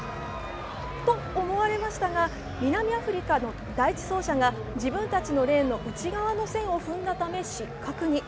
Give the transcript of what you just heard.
と思われましたが、南アフリカの第１走者が自分たちのレーンの内側の線を踏んだため失格に。